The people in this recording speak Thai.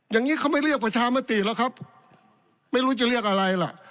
อย่างนี้เขาไม่เรียกประชามติแล้วครับไม่รู้จะเรียกอะไรล่ะ